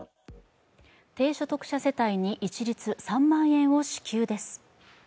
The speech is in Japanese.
低所得者世帯に一律３万円を支給です。